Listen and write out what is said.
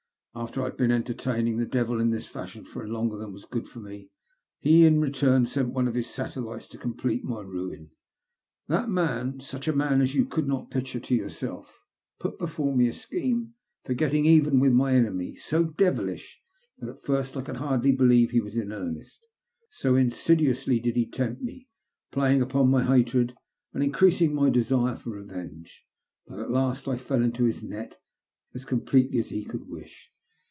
After I had been entertaining tbe (lovil in this fashion for longer than was good for me, lie in return sent one of his satellites to complete my ruin. That man — such a man as you could not pic ture to yom'self — put before me a scheme for getting even with my enemy, so devilish that at first I could hardly believe he was in earnest. So insidu ously did he tempt me, playing upon my hatred and increasing my desire for revenge, that at last I fell into his net as completely as he could wish.